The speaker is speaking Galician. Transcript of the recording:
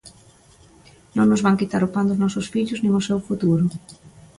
Non nos van quitar o pan dos nosos fillos nin o seu futuro.